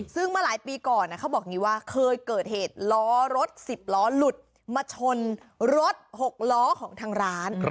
ซึ่งเมื่อหลายปีก่อนเขาบอกอย่างนี้ว่าเคยเกิดเหตุล้อรถ๑๐ล้อหลุดมาชนรถ๖ล้อของทางร้าน